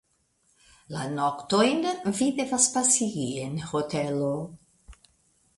La noktojn vi devas pasigi en hotelo.